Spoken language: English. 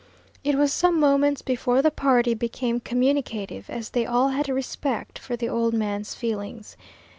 It was some moments before the party became communicative, as they all had a respect for the old man's feelings.